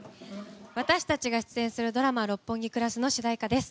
私たちが出演するドラマ「六本木クラス」の主題歌です。